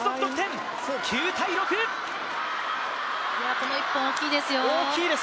この１本大きいですよ。